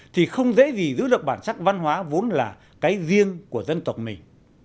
thì không dễ gì giữ được bản sắc văn hóa vốn là cái riêng của dân tộc mình